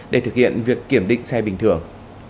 để thực hiện việc kiểm định xe bình thường